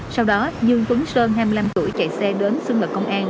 sau đó như phấn sơn hai mươi năm tuổi chạy xe đến xương lật công an